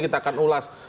kita akan ulas